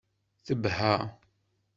Tebha.